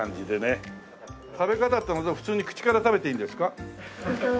食べ方って普通に口から食べていいんですか？